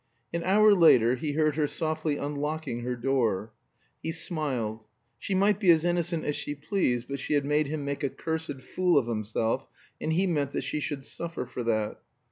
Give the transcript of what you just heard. An hour later he heard her softly unlocking her door. He smiled. She might be as innocent as she pleased, but she had made him make a cursed fool of himself, and he meant that she should suffer for that.